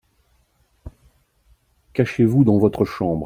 Cachez-vous dans votre chambre.